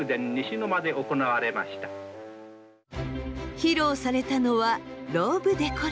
披露されたのはローブデコルテ。